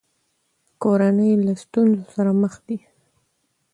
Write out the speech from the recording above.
کورنۍ له ستونزو سره مخ دي.